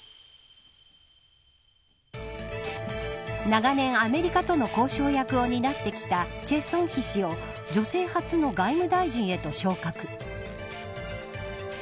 長年アメリカとの交渉役を担ってきた崔善姫氏を女性初の外務大臣へと昇格。